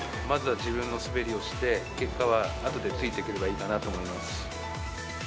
まずは自分の滑りをして、結果はあとでついてくればいいかなと思います。